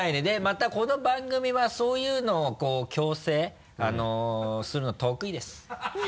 でまたこの番組はそういうのを矯正するの得意です。